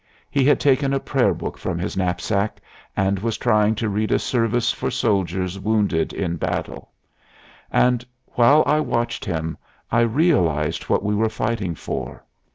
He had taken a prayer book from his knapsack, and was trying to read a service for soldiers wounded in battle. And ... while I watched him I realized what we were fighting for....